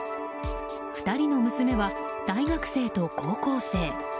２人の娘は、大学生と高校生。